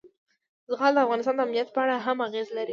زغال د افغانستان د امنیت په اړه هم اغېز لري.